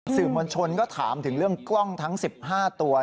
สื่อมวลชนก็ถามถึงเรื่องกล้องทั้ง๑๕ตัว